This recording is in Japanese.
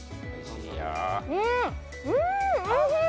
うん、おいしい。